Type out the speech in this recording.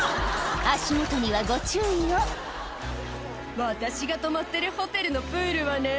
足元にはご注意を「私が泊まってるホテルのプールはね」